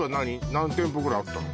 何店舗ぐらいあったの？